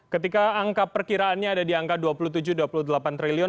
ketika angka perkiraannya ada di angka dua puluh tujuh dua puluh delapan triliun